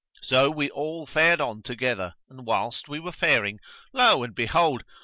So we all fared on together, and, whilst we were faring, lo and behold!